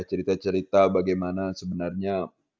cerita cerita bagaimana sebenarnya